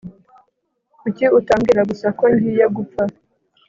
kuki utambwira gusa ko ngiye gupfa